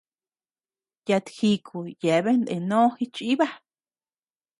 Yat jíku yeabean nde noo jichiba.